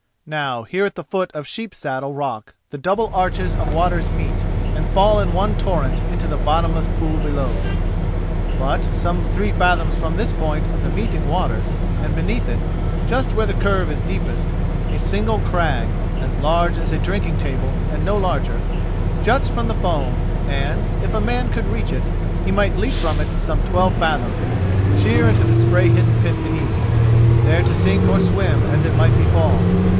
Now here at the foot of Sheep saddle rock the double arches of waters meet, and fall in one torrent into the bottomless pool below. But, some three fathoms from this point of the meeting waters, and beneath it, just where the curve is deepest, a single crag, as large as a drinking table and no larger, juts through the foam, and, if a man could reach it, he might leap from it some twelve fathoms, sheer into the spray hidden pit beneath, there to sink or swim as it might befall.